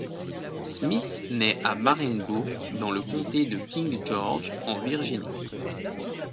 Smith naît à Marengo, dans le comté de King George en Virginie.